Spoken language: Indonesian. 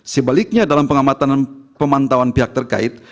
sebaliknya dalam pengamatan pemantauan pihak terkait